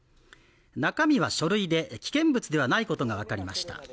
中身は書類で危険物ではないことがわかりました